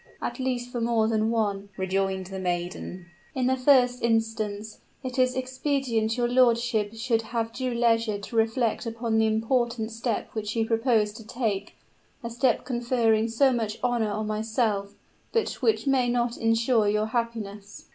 "At least for more than one," rejoined the maiden. "In the first instance, it is expedient your lordship should have due leisure to reflect upon the important step which you propose to take a step conferring so much honor on myself, but which may not insure your happiness."